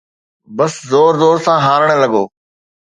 بس زور زور سان هارڻ لڳو